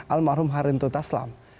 almarhum harim tuta aslam